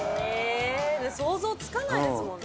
想像つかないですもんね。